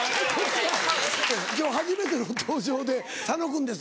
今日初めての登場で佐野君です